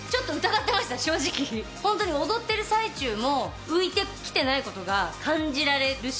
ホントに踊ってる最中も浮いてきてない事が感じられるし。